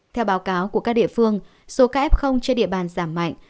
theo báo cáo của các địa phương số ca f trên địa bàn giảm mạnh